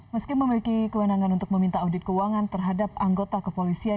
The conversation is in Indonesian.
meski memiliki kewenangan untuk meminta audit keuangan terhadap anggota kepolisian